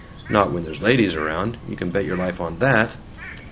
"Not when there's ladies around! You can bet your life on that!"